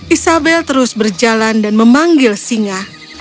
isabel terus berjalan dan memanggil singa